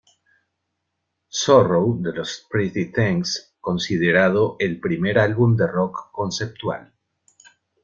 Sorrow" de los The Pretty Things, considerado el primer álbum de rock conceptual.